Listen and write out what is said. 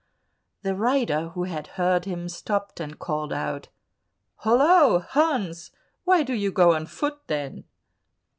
The rider, who had heard him, stopped and called out, "Hollo! Hans, why do you go on foot, then?"